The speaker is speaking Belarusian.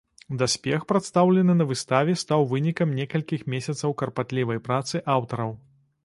Даспех, прадстаўлены на выставе стаў вынікам некалькіх месяцаў карпатлівай працы аўтараў.